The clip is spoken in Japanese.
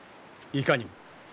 いかにも。